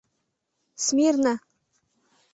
Смирно!..